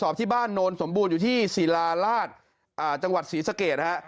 บ้านโน้นสมบูรณ์อยู่ที่ศรีราลาศจังหวัดศรีสเกตนะครับ